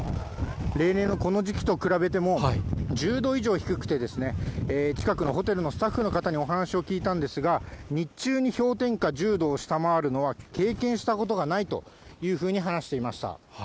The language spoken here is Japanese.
例年のこの時期と比べても１０度以上低くて、近くのホテルのスタッフの方にお話を聞いたんですが、日中に氷点下１０度を下回るのは、経験したことがないというふうに話していました。